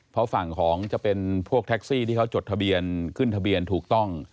เพราะฝั่งของจะเป็นพวกแท็กซี่ที่เขาจดทะเบียนขึ้นทะเบียนถูกต้อง